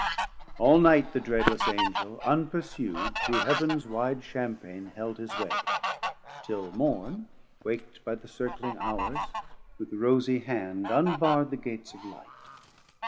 All night the dreadless Angel unpursu'd Through Heav'ns wide Champain held his way, till Morn, Wak't by the circling Hours, with rosie hand Unbarr'd the gates of Light.